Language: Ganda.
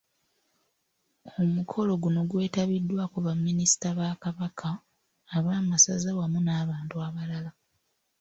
Omukolo guno gwetabiddwako baminisita ba Kabaka, ab'amasaza awamu n’abantu abalala.